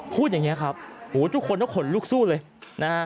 พูดอย่างนี้ครับทุกคนก็ขนลูกสู้เลย